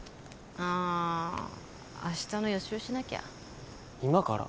あ明日の予習しなきゃ今から？